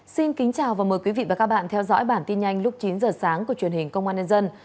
xin kính chào và mời quý vị và các bạn theo dõi bản tin nhanh lúc chín giờ sáng của truyền hình công an nhân dân